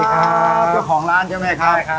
เจ้าของร้านใช่ไหมครับ